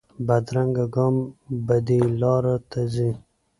بدرنګه ګام بدې لارې ته ځي